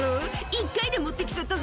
一回で持ってきちゃったぜ」